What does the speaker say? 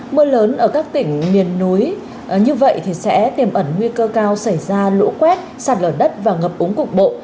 mưa lớn ở các tỉnh miền núi như vậy thì sẽ tiềm ẩn nguy cơ cao xảy ra lũ quét sạt lở đất và ngập úng cục bộ